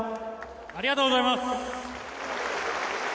ありがとうございます！